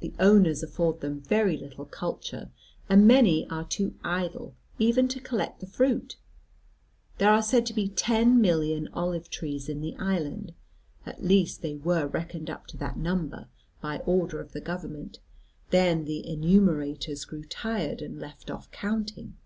The owners afford them very little culture, and many are too idle even to collect the fruit. There are said to be ten million olive trees in the island; at least they were reckoned up to that number by order of the Government; then the enumerators grew tired, and left off counting.